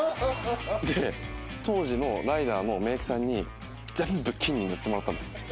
で当時の『ライダー』のメークさんに全部金に塗ってもらったんです。